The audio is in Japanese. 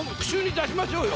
出しましょうよ。